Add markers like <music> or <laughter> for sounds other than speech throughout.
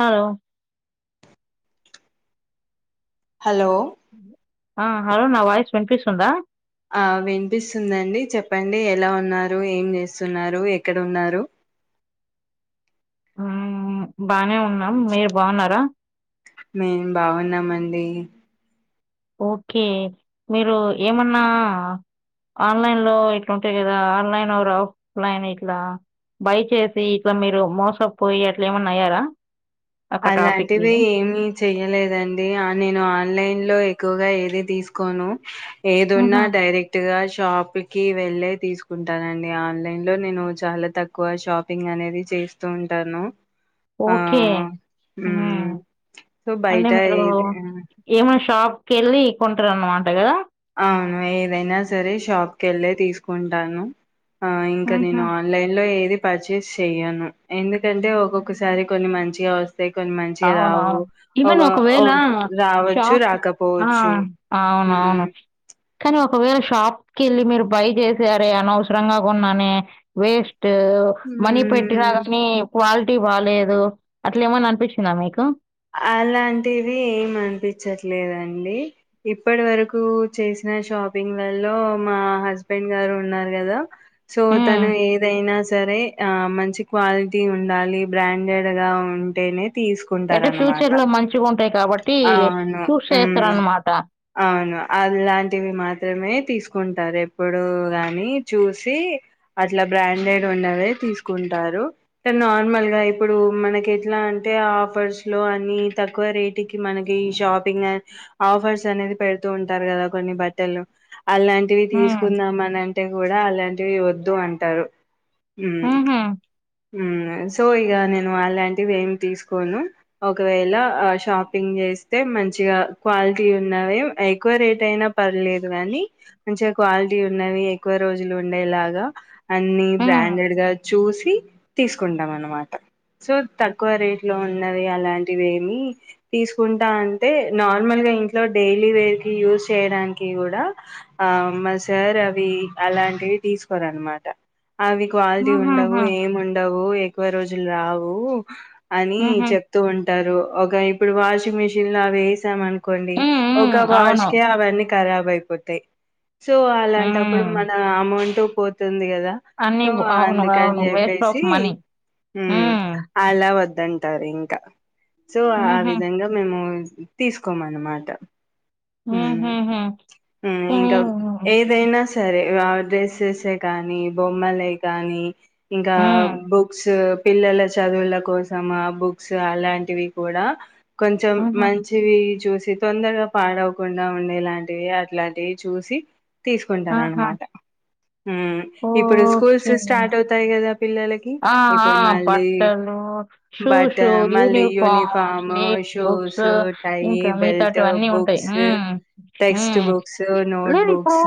Hello hello ఆ hello నా voice వినిపిస్తుందా ఆ వినిపిస్తుందండి చెప్పండి ఎలా ఉన్నారు, ఏం చేస్తున్నారు, ఎక్కడ ఉన్నారు. ఉమ్మ బానే ఉం న్నా మీరు బాగున్నారా. మేం బాగున్నామండీ. ఓకే మీరు ఏమన్నా ఆన్లైన్ లో ఇట్లుంటయి కదా ఆన్లైన్రు ఆర్ ఆఫ్లైన్ ఇట్లా, బై చేసి ఇట్లా మీరు మోస పోయి అట్ల ఏమన్నా అయ్యారా. ఒక టాపిక్ అలాంటివీ ఇది ఏమి చెయ్యలేదండీ అన్ నేను ఆన్లైన్ లో ఎక్ క్కువగా ఏది తీసుకోను. ఏదున్నా ఉహు డైరెక్ట్ గా షాప్ల కీ వెళ్ళే తీసుక్ కుంటానండి ఆన్లైన్ లో నేను చాలా తక్కువ షాపింగ్ అనేది చేస్తూ ఉంటాను. ఆ ఓకే. ఆ మ్మ్ సో అంటే బయట మీరు ఏది ఏమన్ షాప్ కెళ్ళీ కొంటరు అన్నమాట కదా అవును ఏదైనా సరే షాప్ కెళ్ళే తీసుకుంటాను. ఆ ఇంకా ఉహు నేను ఆన్లైన్ లో ఏది పర్చేస్ చెయను. ఎందుకంటే ఒక్కొక్కసారి కొన్ని మంచిగా వ అంటే కొన్ని మంచిగా అవునవును రావు. ఒక ఈవెన్ ఒకవేళ ఒక్ రావచ్చు షాప్ ఆ రాకపోవచ్చు. అవునవును కానీ ఒకవేళ షాప్కి వెళ్ళి మీరు బై చేసారే, అనవసరంగా కొన్నా వేస్ట్ ట్ మనీ పెట్టిన హ్మ్ గాని క్వాల్ టి బాలేదు అట్లే ఏమని అనిపించ అనిపించిందా మీకు అలాంటివి ఏం అనిపించట్లేదండి. ఇప్పటి వరకు చేసిన షాపింగ్లలో మా హస్బెండ్ గారు ఉన్నారు. కదా సో హ్మ్. తను ఏదైనా స సరే ఆ మంచి క్వాలిటీ ఉండాలి. బ్రాండెడ్ గా ఉంటేనే తీసు అంటే ఫ్యూచర్ లో మంచిగా ఉంటాయ్. అవును హ్మ్ అవును అలాంటివి మాత్రమే తీసుకు కుంటారు. ఎప్పుడు గాని చూసి అట్లా బ్రాండెడ్ ఉండవే తీసుకుంటారు. నార్మల్ గా ఇప్పుడు మనకి ఎట్లా అంటే ఆఫర్స్ లో అని తక్కువ రేట్ ఇటికి మనకి షాపింగ్ ఆఫర్స్ అనేది పెడుతూ ఉంటారు. కదా కొన్ని బట్టలు అలాంటివి హ్మ్. తీసుకుందాం. అని అంటే కూడా అలాంటి యే వద్దు అంటారు. హ్మ్ హుహు. హ్మ్ సో ఇగా నేను అలాంటివి ఏం తీసుకోను. ఒకవేళ షాపింగ్ చేస్తే మంచిగా క్వాలిటీ ఉన్నవే ఏక్ ఎక్కువ రేట్ అయినా పర్లేదు. కానీ మంచిగా క్వాలిటీ ఉన్నవి. ఎక్కువ రోజులు ఉండేలాగా అన్ని హ్మ్. బ్రాండెడ్ గా చూసి తీసుకుంటాం. అనమాట సో తక్కువ రేట్ లో ఉన్నవి. అలాంటివి ఏమి తీసుకుంటా అంటే నార్మల్గా ఇంట్లో డైలీ వేర్ కి యూస్ చేయడానికి కూడా ఆ మా సార్ అవి అలాంటివి తీసుకోర అనమాట అవి క్వాలిటీ ఉండవు. హుహుహు. ఏము ఉండవు అవు ఎక్కువ రోజులు రావు. అని హుహు. చెప్తూ ఉంటారు. ఒక ఇ ఇప్పుడు వాషింగ్ మిషన్ల అవి వేసాం. ఆన్ నుకోండి. హ్మ్. ఒక హ్మ్. వాష్ అవును. కే అవన్నీ ఖరాబ్ అయిపోతాయ్. సో అలాంటప్పుడు హ్మ్. మన అమౌంటు పోతుంది కదా అని అవును అవును వేస్కో హ్మ్ అలా వద్దంటారు. ఇంకా సో ఆ హుహు. విధంగా మేము తీసుకోమన్నమాట ఉం హుహుహు. ఉం కానీ ఇంకా ఏదైనా స సరే వావ్ డ్రెస్సెస్ కానీ బొమ్మలే కానీ ఇం కా హ్మ్. బుక్స్ పిల్లల చదువుల కోసం ఆ బుక్స్ అలాంటివి కూడా కొంచెం హుహు. మంచిది చుస్ తొందరగా పాడవకుండా ఉండేలాంటివి అట్లాంటివి చూసి తీసుకుంటాను ఆహా! అన్నమాట ఇప్పుడు ఓకే. స్కూల్స్ స్టార్ట్ అవుతాయి కదా పిల్లలకి ఆ ఆ ఇప్పుడు మళ్ళీ బట్టలు బట్ షూస్ మళ్ళీ యూనిఫార్మ్స్ యూనిఫామ్ నేట్ షూస్ బుక్స్ టై ఇంకా బెల్ట్ మిగతాటివన్నీ ఉంటాయి. బుక్స్ లేదు ఊమ్ టెక్స్ట్ బుక్స్ నోట్ ఊమ్ ఇప్పుడు బుక్స్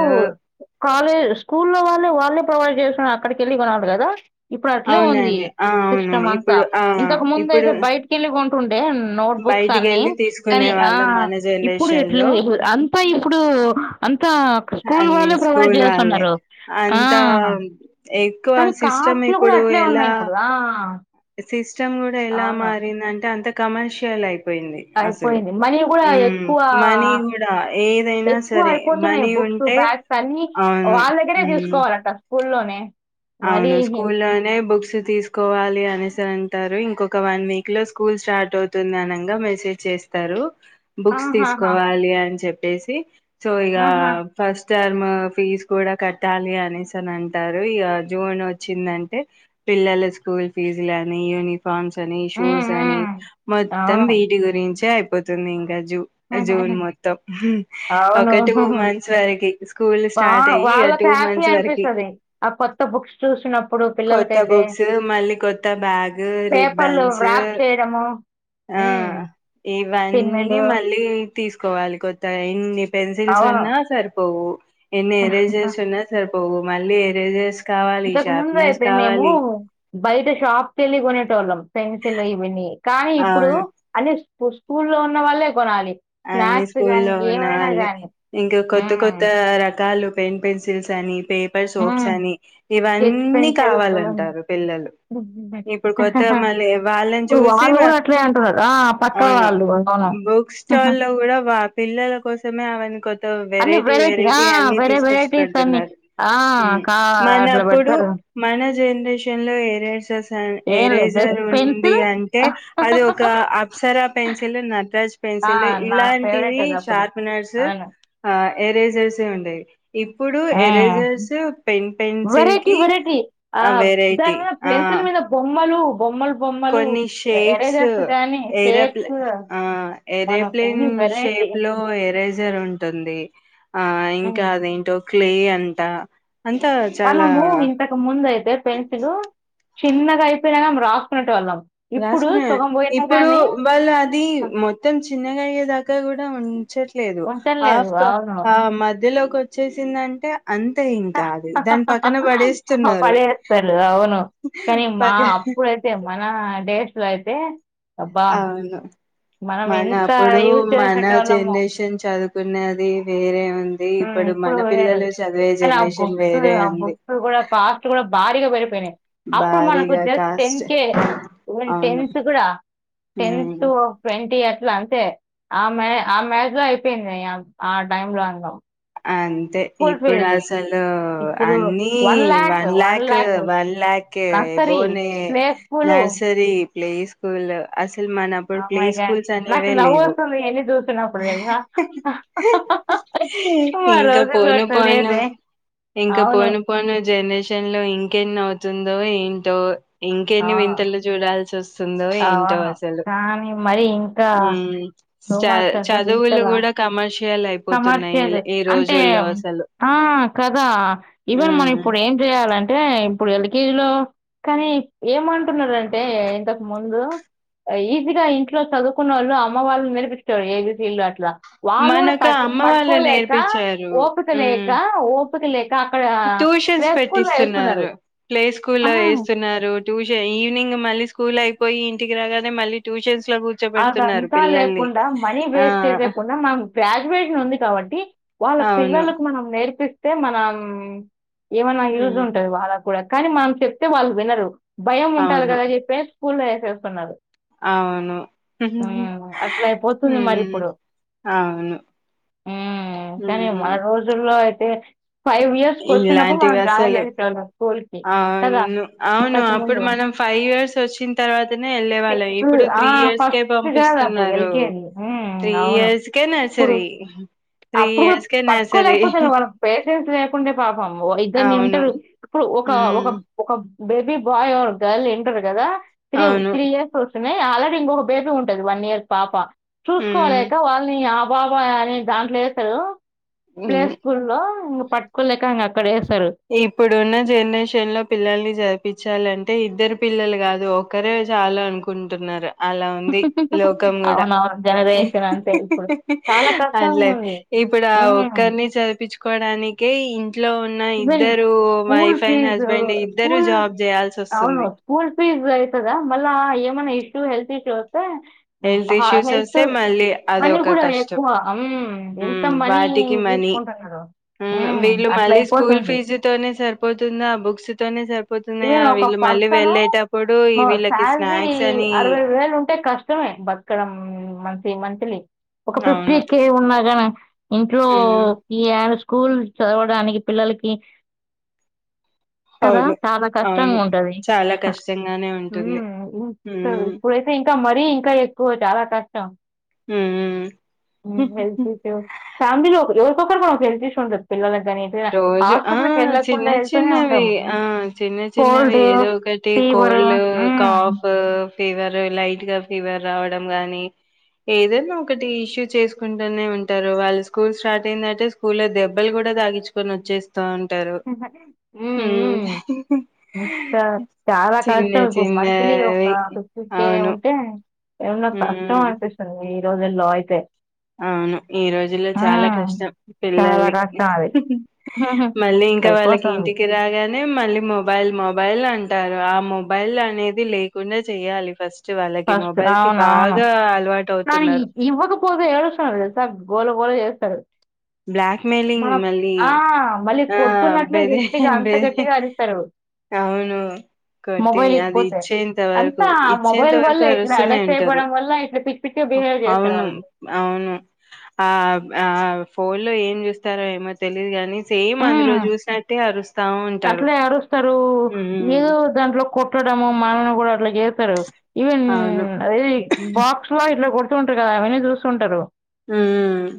కాలేజ్ స్కూల్లో వాళ్ళే వాళ్ళే ప్రొవైడ్ చేస్ అక్కడికి ఏళ్ళి కొనాలి కదా ఇప్పుడు అట్లే ఉంది అవునండి ఆ అవును సిస్టమ్ అంతా ఇప్పుడు ఆ ఇంతకు ముందు ఇప్పుడు అయితే బయటకేళ్ళి కొంటుండే నోట్బుక్స్ బయటికి అన్ని వెళ్ళి కానీ, తీసుకునే ఆ వాళ్ళం మన ఇప్పుడు జనరేషన్ ఇట్లే లో అంతా ఇప్పుడు అంతా స్కూల్ అన్ని వాళ్ళే ప్రొవైడ్ స్కూల్ వాళ్ళే చేస్తున్నారు. ఆ! అంత ఎక్కువ సిస్టమే తీయ కూడా అట్లే ఉన్నాయి ఇప్పుడు ఆ సి స్ స్టం కూడా ఎలా అవును. మారింది అంటే అంత కమర్షియల్ అయి అయిపోయింది మనీ కూడా ఎక్కువ మనీ కూడా ఏదైనా ఎక్కువ సరే అయిపోతున్నాయి. మనీ బుక్స్ ఉంటే బ్యాగ్స్ అన్ని అవును వాళ్ళ దగ్గరే హ్మ్ తీసుకోవాలంట స్కూల్లోనే మరీ అవును స్కూల్ లోనే బుక్స్ తీసుకోవాలి అనేసి అంటారు. ఇంకొక వన్ వీక్ లో స్కూల్ స్టార్ట్ అవుతుంది. అనంగా మెసేజ్ చేస్తారు. బుక్స్ ఆహాహా! తీసుకోవాలి అని చెప్పి చేసి సో ఇగా ఆహా! ఫస్ట్ టర్మ్ ఫీజ్ కూడా కట్టాలి. అనేసి అని అంటారు ఇగ జూన్ వచ్చిందంటే పిల్లల స్కూల్ ఫీజు లని యూని ఫామ్స్ అని హ్మ్. షూస్ అని హ్మ్. మొత్తం అవును. వీటి గురించి అయి పోతుంది ఇంకా జూన్ హుహుహు. మొత్తం ఒక టూ మంత్స్ వారకి వా వాళ్ళకి హ్యాప్పి అనిపిస్తాది ఆ కొత్త బుక్స్ చూసినప్పుడు కొత్త పిల్లలకైతే. బుక్స్ మళ్ళీ కొత్త బ్యాగు పేపర్లు రిబ్బన్స్ ర్యాప్ చేయడము. ఆ హ్మ్. ఇవన్నీ పిన్నులు. మళ్ళీ తీసుకోవాలి కొత్తగా ఎన్ని పెన్సిల్స్ ఉన్నా అవును. సరిపోవు ఎన్ని ఎరేజర్స్ ఉన్నా సరిపో పో మళ్ళీ ఏరెజర్స్ ఇంతకు ముందు అయితే మేము బయట షాప్కి వెళ్ళి కోనేటోళ్లం. పెన్సిల్ ఇవన్నీ కానీ ఇప్పుడు అవును అని ఇప్పుడు స్కూల్లో ఉన్న వాళ్ళే కొనాలి. అన్ని స్నాక్స్ కానీ స్కూల్లో ఏమైనా ఉన్నవాళ్ళే కానీ ఇంకా కొత్త కొత్త రకాలు పెన్ పెన్సిల్స్ అని పేపర్ సోప్స్ అని స్కెచ్ ఇవన్నీ పెన్సిల్స్ కావాలంటారు పిల్లలు ఇప్పుడు కొత్తగ మళ్ళి వాళ్ళని ఇప్పుడు చూసి వాళ్ళు వా కూడా అట్లే అంటున్నారు ఆ పక్కన అవును వాళ్ళు అవును బుక్స్ ఉహు. స్టాల్లో కూడా వా పిల్లల కోసమే <unintelligible> టో అన్ని వెరైటీ, ఆ వెరైటీ అన్ని వెరై తీసుకొచ్చి వెరైటీస్ అన్ని పెడుతున్నారు ఆ హ్ కా మన అట్లా అప్పుడు పెడతారు మన జనరేషన్ లో ఏరైజర్స్ <unintelligible> ఏం లేదు ఎరైజర్ జస్ట్ ఉంది పెన్సిల్ అంటే అది ఒక అప్సరా పెన్సిల్, నటరాజ్ ఆ పెన్సిల్ నా ఫేవరెట్ ఇలాంటివి అది అప్పుడు షార్పనర్స్ అవును ఎరైజర్స్ ఏ ఉండేవి. ఇప్పుడు ఆ! ఎరేజర్స్ పెన్ పెన్సిల్ వెరైటీ కి వెరైటీ. ఆ దాని వెరైటీ మీద ఆ పెన్సిల్ మీద బొమ్మలు, బొమ్మలు బొమ్మలు కొన్ని షేప్స్ ఎరేజర్స్ గానీ, టేప్స్ ఏరోప్లేన్ ఆ మనకు ఏరోప్లేన్ అన్ని వెరైటీ. షేప్ లో ఎరైజర్ ఉంటుంది ఆ ఇంకా హ్మ్. అదేంటో క్లే అంట అంతా చాలా మనము ఇంతకు ముందు అయితే పెన్సిల్ చిన్నగా అయిపోయిన రాసుకునేటోళ్ళం. ఇప్పుడు రాసుకునే సగం పోయినా ఇప్పుడు గానీ వాళ్ళు అది హ్మ్, మొత్తం చిన్నగా అయ్యేదాకా కూడా హ్ ఉంచట్లేదు ఉంటల్లేదు. ఆఫ్ గా అవును. ఆ మధ్యలో కు వచ్చేసిందంటే అంతే ఇంకా అది దాని పక్కన పడేస్తున్నారు పడేస్తరు అవును కానీ మా పక్క అప్పుడైతే మ డేసులో అయితే అబ్బా! అవును మనం మన ఎంత అప్పుడు యూజ్ మన చేసేటోళ్ళమో. జనరేషన్ చదువుకున్నది వేరే ఉంది, హ్మ్. ఇప్పుడు మన వేరు. పిల్లలు చదివే కానీ ఆ జనరేషన్ బుక్స్, వేరే ఉంది. రి పెరిగిపోయినయి అప్పుడు మనకు భారీగా జస్ట్ టెన్ కాస్ట్ కే అవును టెన్త్ కూడా టెన్త్ ఉమ్ నైంటీ అట్లా అంటే ఆమే ఆమేజ్ లో అయిపోయింది ఆ టైంలో అందం అన్ ఇప్పుడు అసలు ఆ ఇప్పుడు అన్నీ one lakh one lakh nursery, అబోనే play school. Nursery play school అస్ అమాయిగా నాకు లేవు నవ్వొస్తుంది ఇయన్ని చూస్తునప్పుడు తెల్సా ఇంకా పోను పోను ఇంకా అవును. పోను పోను జనరేషన్ లో ఇంకెన్నవు తుందో ఏంటో ఇంకెన్ని అవును. వింతలు చూడాల్సి వస్తుందో ఏంటో అవును అసలు కానీ మరి ఇంకా రోమాన్స్ అసలు చదువులు ఇంతలా కూడా కమర్ష్ యలు అయిపోతున్నాయి కమర్షియల్ అంటే రోజుల్లో అసలు. ఆ కదా ఈవెన్ మనం హ్మ్. ఇప్పుడు ఏం చెయాలంటే ఇప్పుడు ఎళి కీలో కానీ ఏమంటున్నరంటే ఇంతకు ముందు ఈజీగా ఇంట్లో చదువుకున్నోళ్ళు అమ్మ వాళ్ళు నేర్పిస్తారు ఏబీసీడ్లు అట్లా మనకా పట్కోలేక ఓపిక లేక ఒ ఓపికలే ట్యూషన్స్ పెట్టిస్తున్నారు ప్లే స్కూల్ లో వేస్తున్నారు ట్యూషన్ ఈవినింగ్ మళ్ళీ స్కూల్ అయిపోయి ఇంటికి రాగానే మళ్ళీ ట్యూషన్స్ అదంతా లేకుండా మనీ ఆ! వేస్ట్ చేసేకుండా మనం గ్రాడ్యుయేషన్ ఉంది కాబట్టి వాళ్ళ అవును. పిల్లలకు మనం నేర్పిస్ తె మనం ఏమన్నా యూజర్ హ్మ్. ఉంటది వాళ్ళక్ కూడా కానీ మనం చెప్తే వాళ్ళు వినరు భయం ఉంటాది అవును. కదా చెప్పే స్కూల్లో ఏసేస్తున్నారు అవును హ్మ్ ఉమ్ అట్లయిపోతుంది మరి ఇప్పుడు. అవును ఉమ్ కానీ మన హ్మ్ రోజుల్లో అయితే ఇయర్స్‌కొచ్చినప్పుడు మనం ఇలాంటివి జాయిన్ అసలు చేసేటోళ్ళం స్కూల్‌కి. కదా! అవును అవును అప్పుడు ఇంతకుముందు. మనం ఫైవ్ ఇయర్స్ వచ్చిన తర్వాతనే వెళ్ళే వాళ్ళం ఇప్పుడు త్రీ ఇయర్స్ ఫిఫ్త్ కాదు అప్పుడు ఎల్కేజీ ఉమ్ అవును ఇయర్స్‌కే ఇప్పుడు నర్సరీ. అప్పుడు కూడా ఇయర్స్‌కే నర్సరీ. పట్టుకోలేకపోతును వాళ్ళ పేషెన్ డే పాపమ్మో ఇద్దరిని అవును. ఉంటారు ఇప్పుడు ఒక ఒక హ్మ్. ఒక బేబీ బాయ్ అర్ గర్ల్ ఇంటరు కదా త్రి అవును. త్రీ ఇయర్స్ ఒస్ <unintelligible> పేర్ ఉంటది వన్ ఇయర్ పాప హ్మ్. చూసుకోలేక వాళ్ళని బాబా అని దాంట్లో వస్తారు ప్లే హ్మ్. స్కూల్ లో పట్కోలేక ఇంగ అక్కడ వేస్తారు ఇప్పుడున్న జనరేషన్ లో పిల్లల్ని చదివిపిచాలి అంటే ఇద్దరు పిల్లలు కాదు ఒక్కరే చాలు అనుకుంటున్నారు అలా ఉంది లోకం కూడా అవునవును జనరేషన్ అంతే ఇప్పుడు చాలా అట్లా కష్టంగా ఉంది ఇప్పుడు ఆ ఒక్కరిని ఈవెన్ చదిపించు కోడానినికి ఇ త్లోవున ఇద్దరు school wife and fee husband ఇద్దరు స్కూల్ జాబ్ చేయాల్సి అవును వస్తుంది స్కూల్ ఫీజ్ అవుతుద మళ్ళా ఏమనా ఇష్యూ హెల్త్ ఇష్యూ అే హెల్త్ ఇష్యూస్ హెల్త్ వస్తే మళ్ళీ అన్న అదొక కూడా కష్టం ఎక్కువ ఎంత ఉమ్ మనీ వాటికి మనీ తీసుకుంటున్నారు హ్మ్. వీళ్ళు అట్లా మళ్ళీ స్కూల్ అయిపోతుంది. ఫీజు తోనే సరిపోతుందా బుక్స్ తోనే సరిపో ఈవెన్ ఒక పర్సను ఈ వీళ్ళకి శాలరీ స్నాక్స్ అని అరవై వేలు ఉంటే కష్టమే బతకడం మంచి సి మంతలీ ఒక ఫిఫ్టీ అవును కే ఉన్నాగాని ఇంట్లో ఉమ్ ఈ స్కూల్ చదవడానికి పిల్లలకి అవును ఆ అవును కష్టంగా ఉంటది చాలా కష్టంగానే ఉంటుంది ఉమ్ ఉమ్ ఇప్పుడైతే ఇంకా మరి ఇంకా ఎక్కువ చాలా కష్టం ఉమ్ ఉమ్ వెళ్తుంటాం ఫ్యామిలీలో ఒకరు ఒకరికొకరికి సెల్ఫిష్ ఉంటది పిల్లలు అంటే కానీ ఏం చేయాలి రోజు ఆ హాస్పిటల్ కి వెళ్లకుండా చిన్న వెళ్తూనే చిన్నవి ఉంటావ్ ఆ చిన్న చిన్నవి ఏదో ఒకటి కోల్డ్ హ్మ్. కాఫ్ ఫీవర్ లైట్ గా ఫీవర్ రావడం గానీ ఏదైనా ఒకటి ఇష్యూ చేసుకుంటేనే ఉంటారు వాళ్ళ స్కూల్ స్టార్ట్ అయిందంటే స్కూల్లో దెబ్బలకు తకించుకుంటారు. కొనచేసి ఉమ్ ఉమ్. చాలా చిన్న కష్టం ఇప్పుడు మంత్లీ ఒక చిన్నవి ఫ్టీట్టి కే అవును. ఉంటే ఏవన్నా కష్టం హ్మ్ అనిపిస్తుంది రోజుల్లో అయితే అవును. ఈ రోజుల్లో చాలా హ్మ్. కష్టం చాలా పిల్లల్ని కష్టం అది. మా, మళ్లీ ఇంక వాళ్లకి ఇట్లయిపోతుంది ఇంటికి రాగానే, మళ్లీ మొబైల్ మొబైల్ అంటారు. ఆ మొబైల్ అనేది లేకుండా చేయాలి ఫస్ట్, వాళ్ళకి ఫస్ట్ మొబైల్ కి అవున అవును బాగా అలవాటు కానీ అవుతున్నారు. ఇవ్వకపోతే ఏడుస్తున్నారు తెలుసా, గోల గోల చేస్తారు, బ్లాక్మెయిలింగ్ మనం మళ్లీ ఆ! మళ్ళీ ఆ కొడుతున్నట్లు బెదిరి గట్టిగా అంత బెదిరి గట్టిగా అరుస్తారు. అవను కొట్టి మొబైల్ అది ఇవ్వకపోతే. ఇచ్చే ఇంతవరకు, అంతా ఆ ఇంత మొబైల్ వల్ల వరకు ఇట్లా అరుస్తునే అడిక్ట్ వింటారు. అయిపోవడం వల్ల ఇట్లా పిచ్చి పిచ్చిగా బిహేవ్ చేస్తారు అవును వాళ్ళు. అవును ఆ ఆ, ఫోన్లో ఏం చూస్తారో ఏమో తెలియదు కానీ సేమ్ అందులో చూసినట్టు అరుస్తా, ఉంటారు. అట్లనే అరుస్తారు హ్మ్. ఏదో దాంట్లో కొట్టడము మనల్ని కూడా అట్లా చే, ఈవన్ అవును. అది బాక్స్ లా ఇట్లా కో, కొట్టుకుంటూ ఉంటారు కదా అవన్నీ చూస్తుంటారు., ఉహు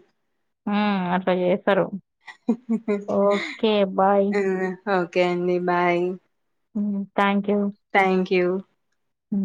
ఉమ్ అట్లా చేస్త, స్తారు ఓకే బాయ్, ఓకే అండి బాయ్ ఉహు థాంక్స్, థ్యాంక్యూ ఉ